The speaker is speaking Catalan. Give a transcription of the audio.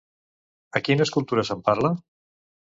A quines cultures se'n parla?